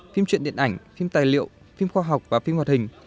phim truyện điện ảnh phim tài liệu phim khoa học và phim hoạt hình